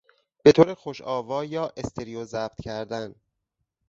به طور خوش آوا یا استریو ضبط کردن